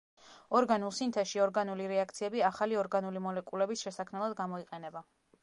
ორგანულ სინთეზში ორგანული რეაქციები ახალი ორგანული მოლეკულების შესაქმნელად გამოიყენება.